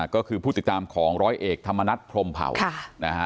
ก็คือผู้ติดตามของร้อยเอกธรรมนัฐพรมเผานะฮะ